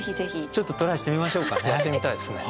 ちょっとトライしてみましょうかね。